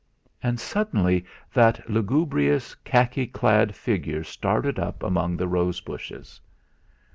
And suddenly that lugubrious khaki clad figure started up among the rose bushes.